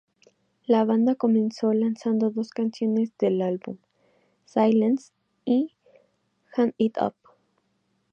La banda comenzó lanzando dos canciones del álbum, "Silence" y "Hang It Up".